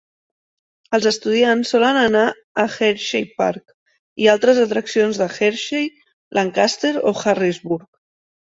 Els estudiants solen anar a Hersheypark i altres atraccions de Hershey, Lancaster o Harrisburg.